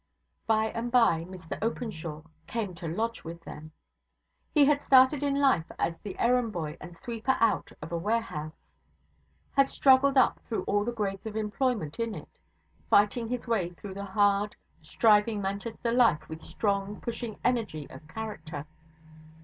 By and by, Mr Openshaw came to lodge with them. He had started in life as the errand boy and sweeper out of a warehouse; had struggled up through all the grades of employment in it, fighting his way through the hard, striving Manchester life with strong, pushing energy of character.